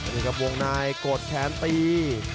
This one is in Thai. นี่ครับวงในกดแขนตี